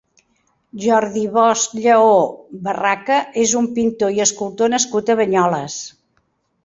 Jordi Bosch Lleó, Barraca és un pintor i escultor nascut a Banyoles.